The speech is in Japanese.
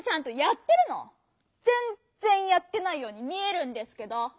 ぜんぜんやってないように見えるんですけど！